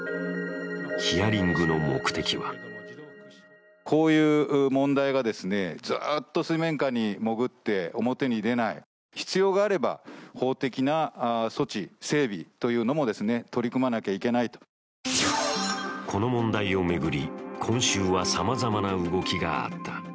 ヒアリングの目的はこの問題を巡り、今週はさまざまな動きがあった。